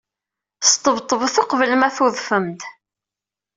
Sṭebṭbet uqbel ma tudfem-d.